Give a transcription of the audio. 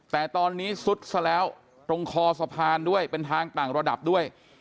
แต่ตอนนี้ซุดซะแล้วตรงคอสะพานด้วยเป็นทางต่างระดับด้วย